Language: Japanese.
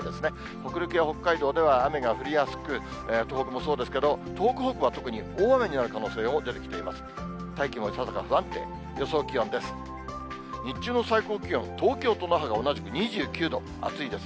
北陸や北海道では、雨が降りやすく、東北もそうですけど、東北北部は特にですけれども、大雨になる可能性も出てきています。